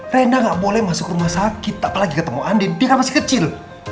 rena gak boleh masuk rumah sakit apalagi ketemu anin dia kan masih kecil